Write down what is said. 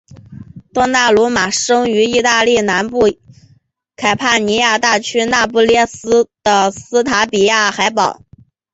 多纳鲁马生于义大利南部坎帕尼亚大区那不勒斯省的斯塔比亚海堡。